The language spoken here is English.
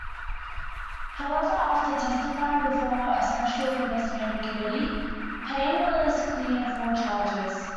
However, after testifying before a special investigating committee, Payne was cleared of all charges.